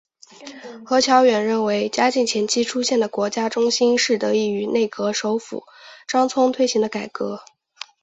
何乔远认为嘉靖前期出现的国家中兴是得益于内阁首辅张璁推行的改革。